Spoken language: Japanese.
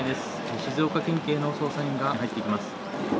静岡県警の捜査員が入っていきます。